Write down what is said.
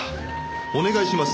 お願いします。